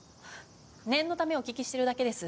念のためお聞きしてるだけです。